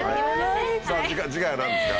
さぁ次回は何ですか？